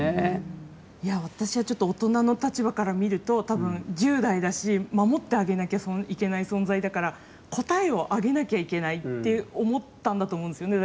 いや、私はちょっと大人の立場から見ると多分、１０代だし守ってあげなきゃいけない存在だから答えをあげなきゃいけないって思ったんだと思うんですよね